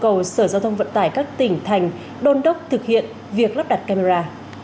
tổng cục đường bộ yêu cầu sở giao thông vận tải các tỉnh thành đôn đốc thực hiện việc lắp đặt camera